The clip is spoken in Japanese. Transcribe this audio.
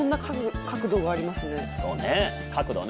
そうね角度ね。